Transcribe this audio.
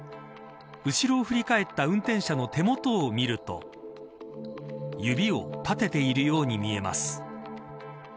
後ろを振り返った運転者の手元を見ると指を立てているように見えます。